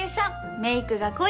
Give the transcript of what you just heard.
メイクが濃い。